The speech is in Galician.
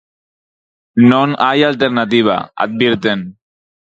Non hai alternativa, advirten.